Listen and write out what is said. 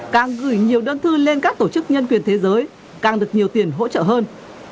càng gửi nhiều đơn thư lên các tổ chức nhân quyền thế giới càng được nhiều tiền hỗ trợ hơn